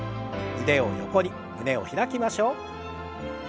腕を横に胸を開きましょう。